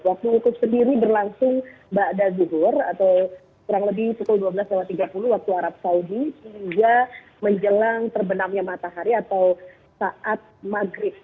waktu wukuf sendiri berlangsung bada zuhur atau kurang lebih pukul dua belas tiga puluh waktu arab saudi hingga menjelang terbenamnya matahari atau saat maghrib